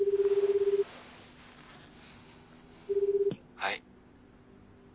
はい。